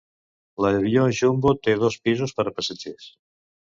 L'avió Jumbo té dos pisos per a passatgers.